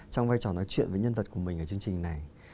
trong vai trò nói chuyện với nhân vật của mình ở chương trình này